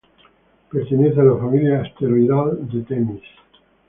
Pertenece a la familia asteroidal de Temis.